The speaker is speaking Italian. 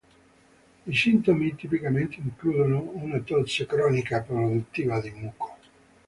I sintomi tipicamente includono una tosse cronica produttiva di muco.